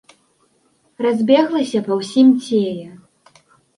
Разбеглася па ўсім целе.